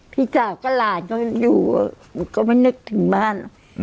พี่สาวกับหลานก็อยู่ก็ไม่นึกถึงบ้าน